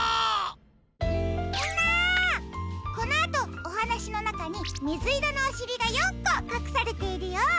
みんなこのあとおはなしのなかにみずいろのおしりが４こかくされているよ。